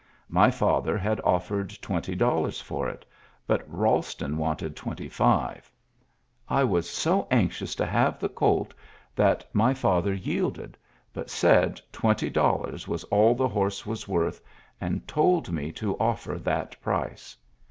My fe ther had offered twenty dollars for it^ but Balston wanted twenty five. I 12 ULYSSES S. GBANT was so anxious to liaye the colt that •., my fiather yielded, but said twenty dollars was all the horse was worth, and told me to offer that price.